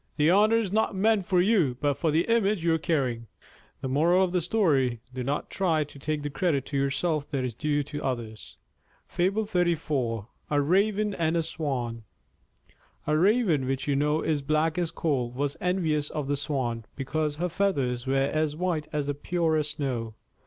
"The honor is not meant for you but for the image you are carrying." Do not try to take the credit to yourself that is due to others. A RAVEN AND A SWAN A Raven, which you know is black as coal, was envious of the Swan, because her feathers were as white as the purest snow.